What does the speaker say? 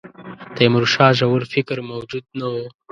تیمورشاه ژور فکر موجود نه وو.